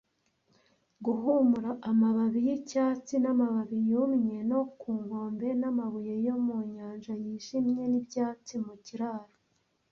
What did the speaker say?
Guhumura amababi y'icyatsi n'amababi yumye, no ku nkombe n'amabuye yo mu nyanja yijimye , n'ibyatsi mu kiraro,